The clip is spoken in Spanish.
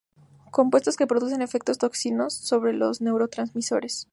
Compuestos que producen efectos tóxicos sobre los neurotransmisores.